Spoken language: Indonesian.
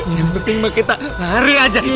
yang penting mau kita lari aja